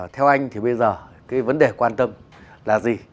theo anh thì bây giờ cái vấn đề quan tâm là gì